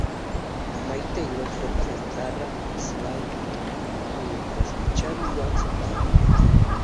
Mick Taylor toca la guitarra slide mientras que Charlie Watts la batería.